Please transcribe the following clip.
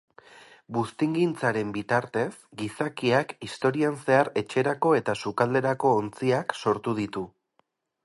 Buztingintzaren bitartez, gizakiak historian zehar etxerako eta sukalderako ontziak sortu ditu